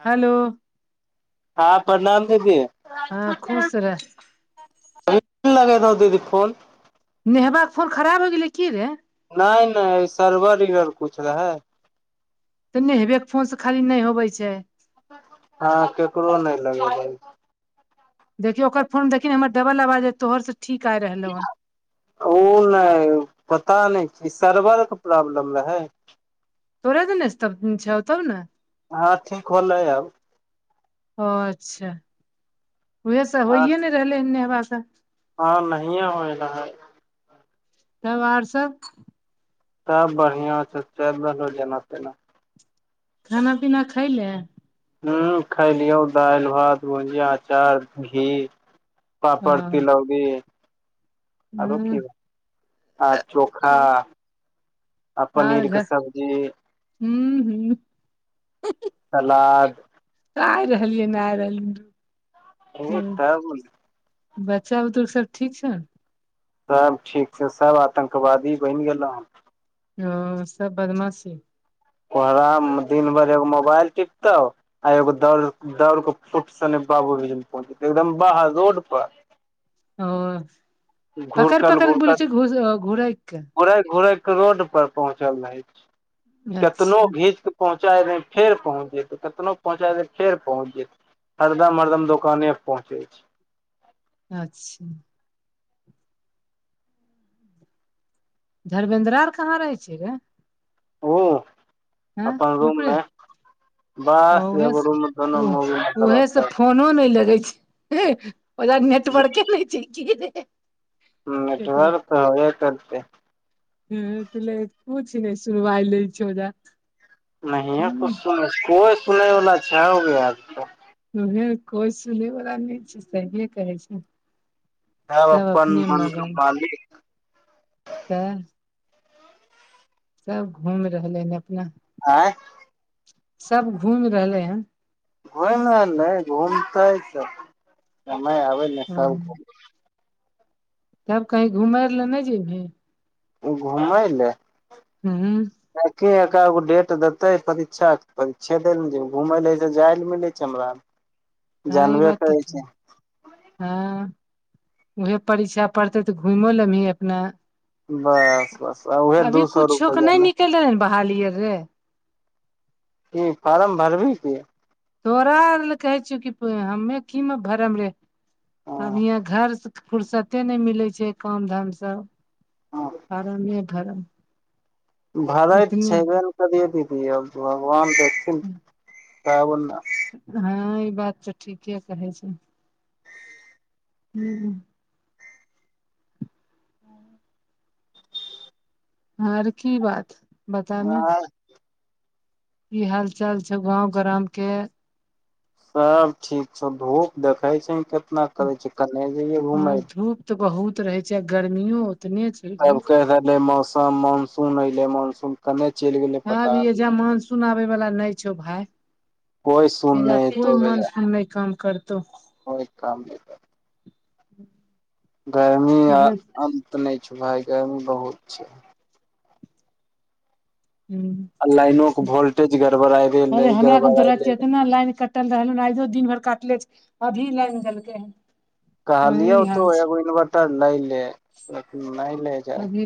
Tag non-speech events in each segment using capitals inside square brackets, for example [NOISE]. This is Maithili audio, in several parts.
हेलो हंऽ प्रणाम दीदी। हंऽ खुश रह। ओहो दिन लगैलयऽ रहौं दीदी फोन। नेहबाक फोन खराब हो गेलैय की रे? नै -नै सर्वर -इवर कुछ रहैय। तऽ नेहबेके फोन से खाली नै होबै छैय। हां केकरो नै लगेबै। देखियौ ओकर फोन देखी हमर डबल आवाज हय तोहर से ठीक आ रहलौ हन। ओ नै, पता नै कि सर्वरके प्रॉब्लम रहैय। तोरे त ने छै तौ ने [UNINTELLIGIBLE] हँ ठीक होलै आब। ओ अच्छा! उह सब आब होइे ने रहलै हन नेहबा से। हँ, नहिये होय रहल। तब आओर सब? सब बढ़ियां छै, चल रहलै जेना -तेना। खाना- पीना खइ लए? ह खैलियौ दालि -भात, भुजिया, अचार, घी। पापड़, हँ तिलौड़ी। आरो हूँ आ चोखा। आ पनीर क सब्जी। हू- हू। सलाद। तऽ आइ रहलियै ना आ रहल। ओ तऽ बोल। बच्चा बुतरु सब ठीक छौ? सब ठीक छै, सब आतंकवादी बनि गेलो हँ। ओ सब बदमाशी। कह दिन भरि एगो मोबाइल टिकटॉप। आ एगो दौड़, दौड़ फुट सने बाबूजी के लग पहुँच जेते, एकदम बाहर रोड पर। ओ पकइर घुरकल पकइर बोलै घुरकल छै, घ घोड़ा एक [UNINTELLIGIBLE] घुरै -घुरै के रोड पर पहुँचल रहै छै, केतनो अच्छा भीत पहुँचा दे फेर पहुँच जेत, कतनो पहुँचाए दे फेर पहुँच जेत। हरदम -हरदम दोकाने पहुँचे छै। अच्छा! धरमेेंन्द्रा आर कहाँ रहै छै रे? ओ। हँ अपन रूम ऊपरे मे, बस उहे एगो रूम दोनो मी मलब [UNINTELLIGIBLE] मोन नहि लगै छै, ओकरा नेटवर्के नहि छै की। केकरो नेटवर्क रहबे करतै। ह तु ल पूछ नहि सुनवइल छौज [UNINTELLIGIBLE] नहिये पुछते कोइ सुनैवला छई ओकरा क। उह कोइ सुनै वला नहि छै, सहिए कहै छी। सब अपन अपने मन के मगन छै। मालिक तऽ। सब घुम रहलै हन अपना। आँ। सब घुमि रहले हन। घुम रहल, घूमतै त समय आबे ने ह सब तब कहीं घुमय लए नहि जेबही? घुमले। हूँ। एके एका गो डेट देतै परीक्षा, परीक्षे दै ल जेब, घुमय लए जाय लए मिलै छै हमरा। हँ ई जानबे बात तऽ करै छी ठीक। हां उहे परीक्षा पड़तै तऽ घुमो लेबही अपना। बस बस उहे दू अभी सौ कुछो के रुपैया नै मे निकल रहै बहाली आर रे। की फारम भरबी की। तोरा आर ले कहै छियौ की हम्मे की मे भरम रे, हँ आब इहाँ घर से फुरसते नै मिलै छै काम-धाम से, हँ फारमे भरम। भरैते एतने छेबे ने करियै दीदी अब भगवान देखथिन तब ना। हां ई बात तऽ ठीके कहै छी। हुं। हां। आर की बात बतामाए। आँय की हाल-चाल छौ गाँव ग्राम के। सब ठीक छौ, धूप देखे छही केतना करे छै, कने जयै ह घुमेले। धूप तऽ बहुत रहे छै आ गर्मियो ओतने छै। अब कैह रहले मौसम मानसून ऐले मानसून कने चैल गेलै पता नै। सुन आबै वाला नै छौ भाय, कोइ सुन एजा नहि एतो कोय कोइ मानसुन नै काम करतौ। [UNINTELLIGIBLE] काम देता। [UNINTELLIGIBLE] गर्मी आ अन्त नै छौ भाय, गर्मी बहुत छै। आ लाइनो हुं के वोल्टेज गड़बड़ाय गेलै अरे हमरा कन तो राएत के गड़बड़ायले एतना लाइन क टल रहलौ नै आयजो दिन भैर काटले छै, अभी लैन देलकै हन। कहलियौ ई तो हाल छै एगो इन्वर्टर लै ले, लेकिन नै ले जाय अभी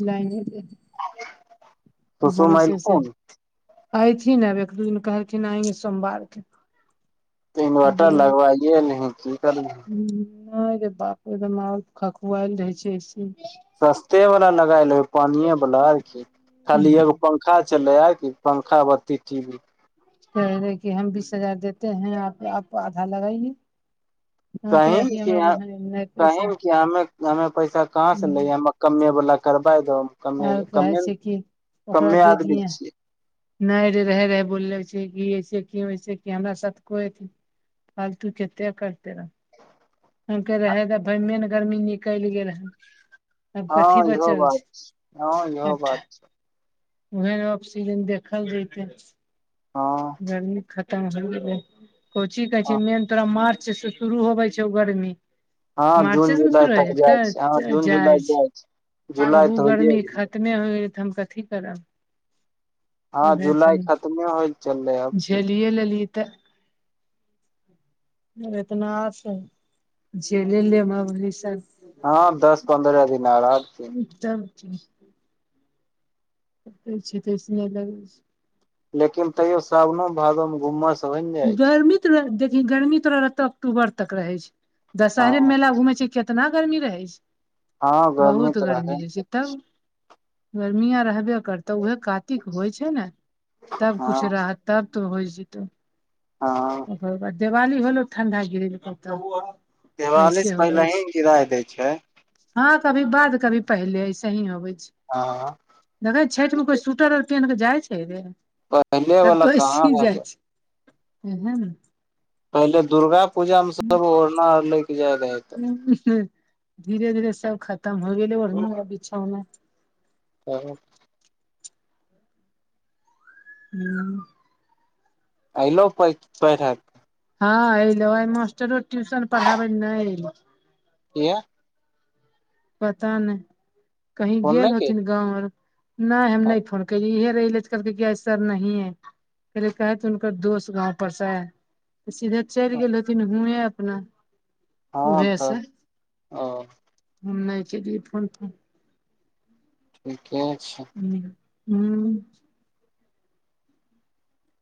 [UNINTELLIGIBLE] इ भरोसे से ऐथिन आब एक दू दिन कहलखिन आएंगे सोमवार के। ते इन्वायर्टर नहि लगबाइये लीही की करबी। नै रे बाप एकदम और खखुआएल रहै छै ऐसे। सस्ते वला लगा ले पानिये बला आर की, खाली एगो पंखा चलै आर की पंखा, बत्ती, टी वी। कहै रहै कि हम बीस हजार देते है आप, आप आधा लगाइए। हम कह कही ने अभी कि हमरा हम नहि कही पैसा ने कि हम्मे हम्मे पैसा कहाँ से लिये हम्मे कमे बला करबाय दहो हम कमे, आर कहै कमे ने छै कि कमे आदमी छी। नै रे रहै-रहै बोलले छै कि ऐसे क्यूं ऐसे कि हमरा साथ कोय अथी फालतू कते करते रह हुनके रहै के भैर मेन गर्मी निकैल गेल हय। आब कथी हँ इहो बचल छै, बात हँ इहो आब ठ बात छै उहे रोप सीजन देखल जेतै। हँ गर्मी खतम हो गेलै, कोची कहै छी मेन तोरा मार्च से शुरू होबै छै ओ गरमी, हँ मार्चे जून से ने जुलाई शुरू हय तक हेतै जाइ छै हँ जून जुलाई ज-जाय जाइ छै। [UNINTELLIGIBLE] जुलाई उ तऽ होइये गर्मी गेलै खतमे होय गेल तऽ हम कथी करब। हां उहे जुलाय सब खतमे होय चललै अब की झेलिये लेलि तऽ और एतना से झेली लेबा ओहि से। हां दस-पन्द्रअ दिन आर अब। तब की। एते छिये ते ए सी लगाबै छी। लेकिन तैयो सावनो, भादो मे गुमस गर्मी त देखही गर्मी तोरा अक्टूबर तक रहे छै दशहरे हँ मेला घूमे छै। केितना गर्मी रहै छै, हँ बहुत तऽ रहलै गर्मी रहै छै। तब, गर्मिया रहबे करतै। तऽ उहे कातिक होइ छै ने तब हँ कुछु रह तब तो होइ जतौ। हँ। ओकर बाद दिवाली भेलौ ठण्डा गिरै दिवाली से पहिले ही गिराय दै छै। हँ कभी बाद कभी पहिले ऐसे ही अबै छै। हँ। देखै छठि में कोइ स्वेटर आर पेहेन के जाइ छै रे पहिले सब वाला तो कहाँ अइसी जाइ रहलै छै। ह ह [UNINTELLIGIBLE] पहिले दुर्गा पूजा मे सब ओढ़ना और लैके जाय रहै तऽ। [UNINTELLIGIBLE] धीरे- धीरे सब खत्म हो गेलै ओड़ना आ बिछौना। काहे। हूँ। अइलो पै पैढाक। हँ ऐलौ मास्टरो ट्यूशन पढ़ाबे नैय एलेै। किया। पता नैय, कही फोन गेल नहि होथिन गाँव और नैय हम नैय केलही फोन कैलियै, इहे रहै। कहके की सर नही है, पहले कहै त उनका दोस्त गाँव पर से है। सीधे चैल गेल हेथिन हुएं अपना। हँ उहे से तऽ, ओ। हम नैय केलियै फोन जोन। ठीके छैय। हूँ।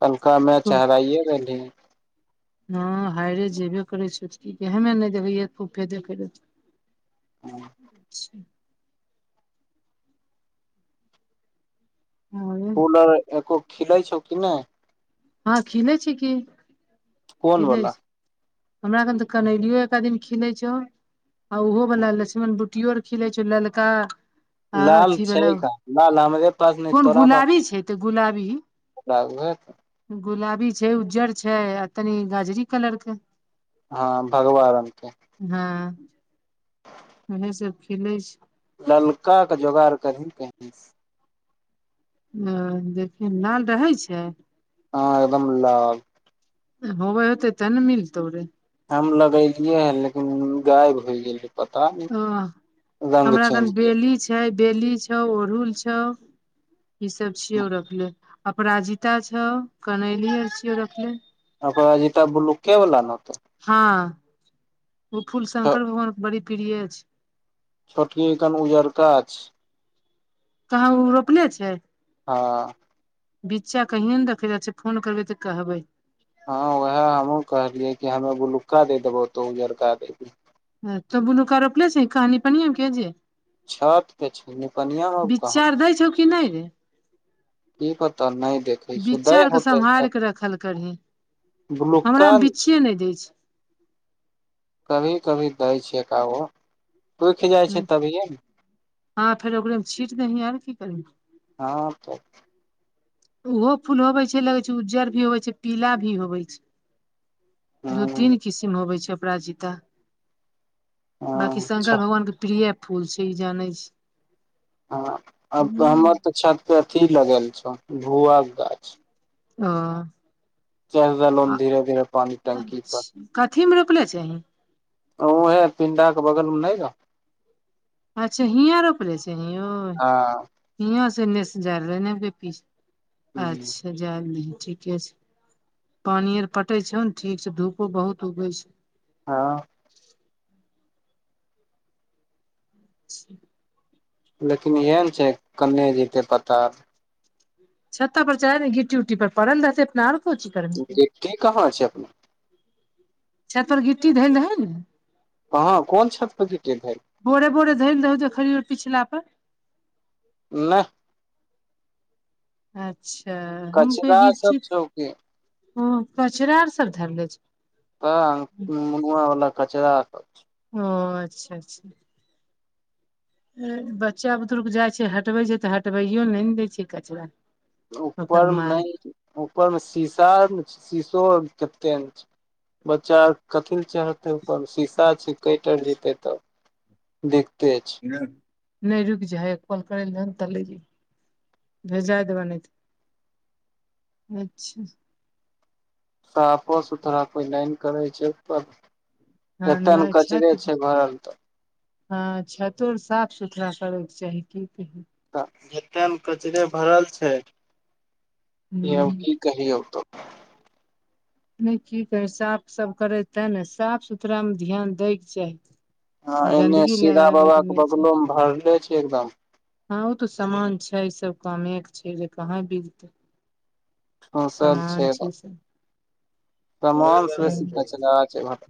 कलुका मैच हराइये रहली हेँ। हँ हायरे जेबे करै छैय की हम नैय देखै हेँ फुफे देखैत होतो। अच्छा। फूल एको खिलै छौ कि नैय। हँ खिलै छैय की, कोन खिलै वाला छैय। हमरा खन तऽ कनैलिये टा खिलेै छौ आ ओहो वला लछ्मन बुट टी योर खिलै छौ ललका आ लाल अथी वाला छैय कहाँ लाल हमरे पास नहि कोन तोरा पास गुलाबी छै तऽ गुलाबी ही। गुलाबी छैय, उज्जर छैय आ तनि गजरी कलर के। हँ भगवा रंग के। हँ उहे सब खिलै छैय। ललका के जोगाड़ करही कहीं। हू देखी लाल रहै छै। हँ एकदम लाल। होबै होतेै तब न मिलतौ रे। हम लगेेलियै है लेकिन गायब होय गेलै। पता नहि ओ रंग हमरा अखन चेंज केलकै बेली छै। छै बेली छौ, उड़हुल छौ, ई सब छियौ रखले। अपराजिता छौ कनैली और छियो रखले अपराजिता बूलूके बला नतऽ हाॅं ऊ फूल शंकर भगवान के बड़ी प्रिय छैय। छोटकी खन उजरका छैय। कहाँ ऊ रोपने छैय? हां बिच्चा कहिये ने देखैले आछै फोन करबै तऽ कहबै। हँ वहै हमहुँ कहलियै कि हमैं बुलुक्का दे देबौ तों उजरका दे दीहें। तो बुलुका रोपले छिहीं कहां निपनिया के जे छत पे छैय, निपनिया अब कहाँ बिच्चा आर पे दै छै। छौ कि नैय रे। की पता नैय दे किछो दै बिच्चा आर के होतै सम्हार त के रखल बुलुका ने छैय। नैय दै छैय। कभी -कभी दै छै एकागो, सुइख जाय छै तभिए ने हां फेर ओकरे मे छीट दहीं और की करभीं हां तो। ओहो फूल होवे छैय लगैय छैय उज्जर भी होय छैय पीला भी होवै छैय। दू ह तीन किसिम होबैय छैय अपराजिता। बांकी हँ छ शंकर भगवानके प्रिय फूल छैय इ जानै छी।। हां अब त हमर तऽ छत पे अथी लगल छह भुआके गाछ। ओ चढि देलौन धीरे धीरे पानी टंकी तक। कथी मे रोपले छही अहूं ओहै पिंडाक बगलमे नै रहौं अच्छा हिंया रोपले छहीं और हँ हिंया से एनेसे जादे नै पिछे ह अच्छा जैलै दहि ठीके छैय पानी आर पटै छौ न ठीक छौ धुपो बहुत उगेय छौ। हॅं [INAUDIBLE] लेकिन इहै न छैय कने जेतै पता नै छ्ता पर चढा दिही गिट्टी उट्टी पर पड़ल रहतै अपना आरो कोन चीज करबीही। गिट्टी कहाँ छै अपने छत पर गिट्टी धैल रहैय नु। कहां कोन छत पर गिट्टी धइल रहै? बोरे बोरे धैल रहैय जे ओ [UNINTELLIGIBLE] पिछला पर नै अच्छा हम कहीयै कचरा कि सब गीची छौ कि ओ कचड़ा आर सब धरले छै। हा मुगुआ बला कचड़ा सब छैय ओ अच्छा अच्छा बच्चा बुतरुक जाइ छैय हटबै छैय तऽ हटबैयो नै न दैय छैय कचड़ा। ऊपर में नै नु ऊपर मे शीसा आर न छैय शीसो ओर केते न छैय बच्चा आर कथी चढ़तै उपर में शीशा छैय कैट आर जेतै तऽ दिकते छैय। भेल, नै रुकि जाइ हइ एक काल करै ल दै न त ले जहिये। भेजाय देब नै तऽ अच्छा। साफो सुथरा कोइ नै न करैय छैय उपरमे। हँ एतय न नहि कचड़े छय भरल तऽ। अच्छा तोर साफ सुथरा करके चाही की कही। एतह न कचड़े भरल छैय की ह कहियौ तोरा? नै की कही साफ सब करै तै न साफ सुथरामे ध्यान दैके चाही। ह एमे गन्दगी सीरा बाबा लगाबैके के नहि छै बगलो मे भरले छैय एकदम। हँ ओ तऽ सामान छैय सब कामे के छैय जे कहाँ बिगतै? ठूसल समान छैय से। समानस बेसी कचरा छैय भरल।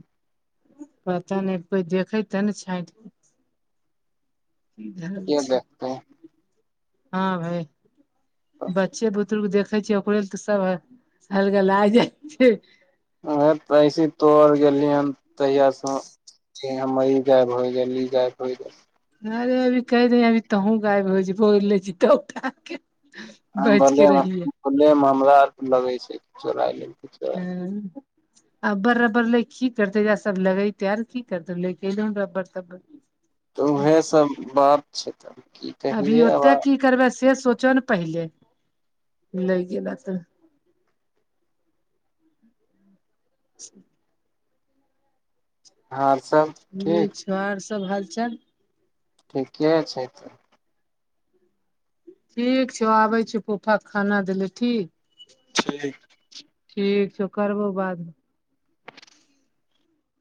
पता नै कोइ देखे त न छैट के देखतैय? हा भाय बच्चे बुच्ची तुलबुक देखेय छियै ओकरे ल तऽ सब हय अलगला जाइ छैय। ह त ऐसे तोर गेलये हन तहियास ज मरी जायब होइ गेली गायब होइ गेल। अरे अभी कहि रहि अभी तहु गायब हो जेभी बोल लैय छी तब उठ। हम बगेमे खुलेपन हमरा लगैय छैय चुराय लैय छैय। हु। अब्बर रबर लैय की करतै यै सब लगै तै आर की करतै ले के रबर तबर। तऽ वैह सब बात छैय तऽ की। अभी कहियै आब ओतह की करबै से सोचऽ न पहिले लैय गेल तऽ। और सब? ठीक छौ आओर सब हालचाल? ठीके छै तऽ। ठीक छैौ आबै छै फोफाके खाना देली ठीक। ठीक। ठीक छौ करबो बादमे।